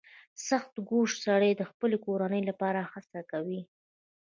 • سختکوش سړی د خپلې کورنۍ لپاره هڅه کوي.